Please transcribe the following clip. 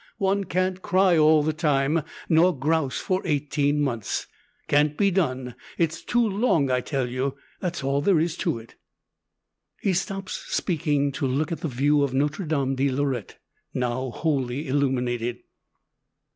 One can't cry all the time, nor grouse for eighteen months. Can't be done. It's too long, I tell you. That's all there is to it." He stops speaking to look at the view of Notre Dame de Lorette, now wholly illuminated.